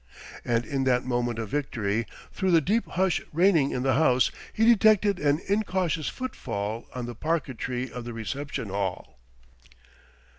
And in that moment of victory, through the deep hush reigning in the house, he detected an incautious footfall on the parquetry of the reception hall.